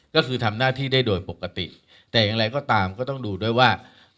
ก็คือทำหน้าที่ได้โดยปกติแต่อย่างไรก็ตามก็ต้องดูด้วยว่า